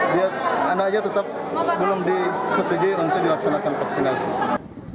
biar anaknya tetap belum disetujui untuk dilaksanakan vaksinasi